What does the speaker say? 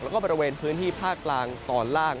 แล้วก็บริเวณพื้นที่ภาคกลางตอนล่าง